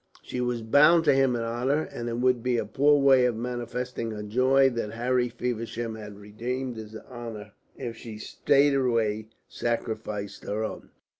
She was bound to him in honour, and it would be a poor way of manifesting her joy that Harry Feversham had redeemed his honour if she straightway sacrificed her own.